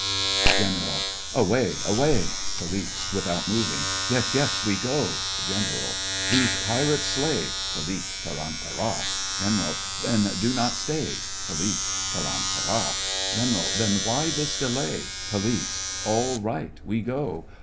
GENERAL: Away, away! POLICE: (without moving) Yes, yes, we go. GENERAL: These pirates slay. POLICE: Tarantara! GENERAL: Then do not stay. POLICE: Tarantara! GENERAL: Then why this delay? POLICE: All right, we go.